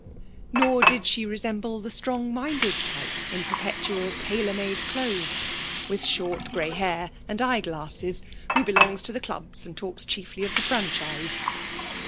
Nor did she resemble the strong minded type in perpetual tailor made clothes, with short grey hair and eye glasses, who belongs to clubs and talks chiefly of the franchise.